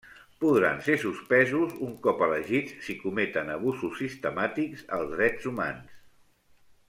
Podran ser suspesos un cop elegits si cometen abusos sistemàtics als drets humans.